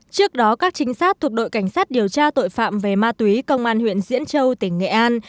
trước đó các trinh sát thuộc đội cảnh sát điều tra tội phạm về ma túy công an huyện diễn châu tỉnh nghệ an